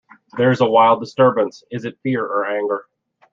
There is a wild disturbance — is it fear or anger?